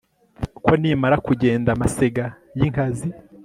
ko nimara kugenda amasega y inkazi